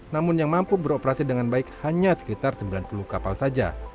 namun yang mampu beroperasi dengan baik hanya sekitar sembilan puluh kapal saja